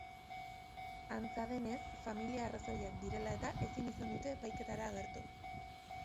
Antza denez, familia arrazoiak direla-eta ezin izan dute epaiketara agertu.